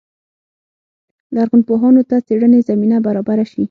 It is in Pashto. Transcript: لرغونپوهانو ته څېړنې زمینه برابره شي.